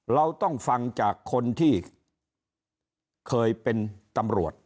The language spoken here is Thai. เราต้องฟังจากคนที่เคยเป็นตำรวจ